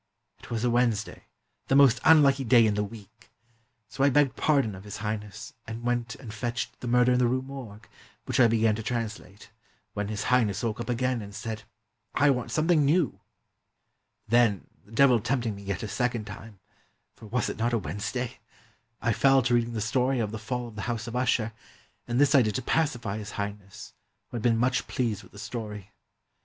It was a Wednesday, the most unlucky day in the week; so I begged pardon of His Highness, and went and fetched ' The Murder in the Rue Morgue,' which I began to translate, when His Highness woke up again and said, ' I want something new !' Then, the Devil tempting me yet a second time — for was it not a Wednesday? — I fell to reading the story of ' The 399 PERSIA Fall of the House of Usher,' and this I did to pacify His Highness, who had been much pleased with the story.